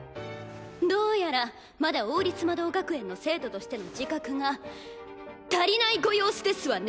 どうやらまだ王立魔導学園の生徒としての自覚が足りないご様子ですわね！